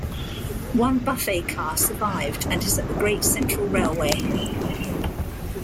One buffet car survived and is at the Great Central Railway.